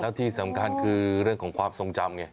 แล้วที่สำคัญคือเรื่องของความทรงจำไง